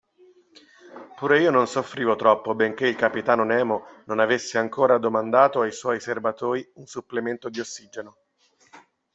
Pure io non soffrivo troppo benché il capitano Nemo non avesse ancora domandato ai suoi serbatoi un supplemento di ossigeno.